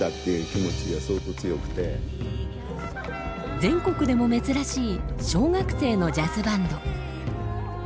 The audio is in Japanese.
全国でも珍しい小学生のジャズバンド。